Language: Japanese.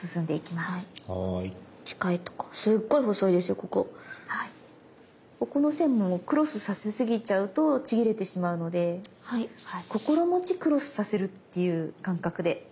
ここの線もクロスさせすぎちゃうとちぎれてしまうのでこころもちクロスさせるっていう感覚で。